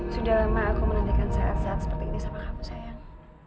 sudah lama aku menantikan saat saat seperti ini sama kamu sayang